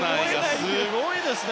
場内、すごいですね。